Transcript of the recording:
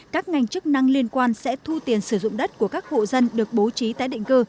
các ngành chức năng liên quan sẽ thu tiền sử dụng đất của các hộ dân được bố trí tái định cư